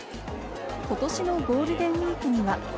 ことしのゴールデンウイークには。